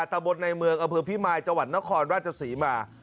ตะบดในเมืองอพิมายจนครราชศรีมา